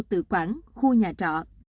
tự quản khu nhà trọ